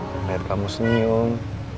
ngeliat kamu senyum